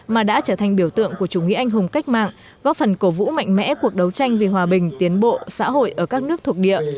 mà đã trở thành biểu tượng của chủ nghĩa anh hùng cách mạng góp phần cổ vũ mạnh mẽ cuộc đấu tranh vì hòa bình tiến bộ xã hội ở các nước thuộc địa